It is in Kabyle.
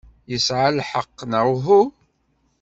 Yesɛa lḥeqq, neɣ uhu?